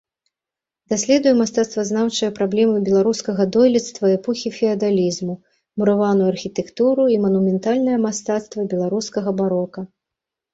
Даследуе мастацтвазнаўчыя праблемы беларускага дойлідства эпохі феадалізму, мураваную архітэктуру і манументальнае мастацтва беларускага барока.